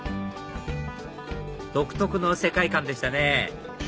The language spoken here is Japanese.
独特の世界観でしたね